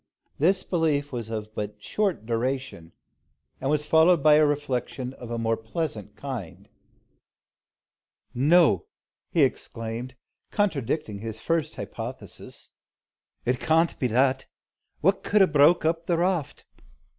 This belief was but of short duration, and was followed by a reflection of a more pleasant kind. "No!" he exclaimed, contradicting his first hypothesis, "It can't be that. What could 'a broke up the raft?